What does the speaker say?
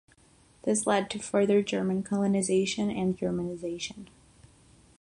This led to further German colonization and Germanization.